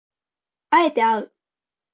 敢えてあう